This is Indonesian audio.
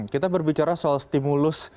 kita berbicara soal stimulus